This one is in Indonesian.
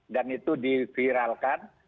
dan itu diviralkan